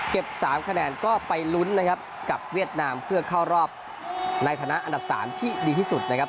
๓คะแนนก็ไปลุ้นนะครับกับเวียดนามเพื่อเข้ารอบในฐานะอันดับ๓ที่ดีที่สุดนะครับ